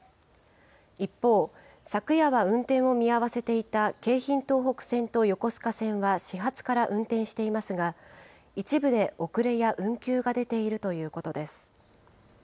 一方、昨夜は運転を見合わせていた京浜東北線と横須賀線は始発から運転していますが、一部で遅れや運休が出ているということです。